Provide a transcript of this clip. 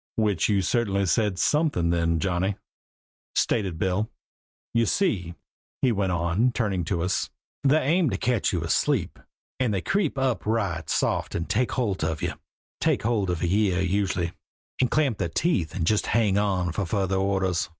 "Which you certainly said something then, Johnny," stated Bill. "You see," he went on, turning to us, "they aim to catch you asleep and they creep up right soft and take holt of you take holt of a year usually and clamp their teeth and just hang on for further orders.